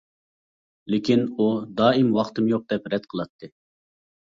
لېكىن ئۇ دائىم ۋاقتىم يوق دەپ رەت قىلاتتى.